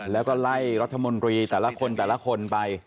แล้วก็ไล่รัฐมนตรีแต่ละคนแต่ละคนไป